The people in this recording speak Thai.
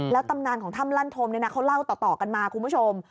แล้วตำนานของถ้ำลันธมเนี่ยนะเขาเล่าต่อกันมาคุณผู้ชม